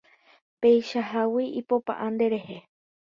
Péichahágui ipopa'ã nderehe